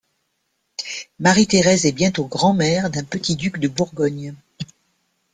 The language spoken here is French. Marie-Thérèse est bientôt grand-mère d'un petit duc de Bourgogne.